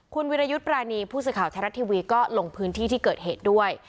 คุณวิรยุทธ์ปรานีผู้สื่อข่าวไทยรัฐทีวีก็ลงพื้นที่ที่เกิดเหตุด้วย